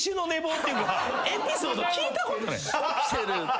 エピソード聞いたことない。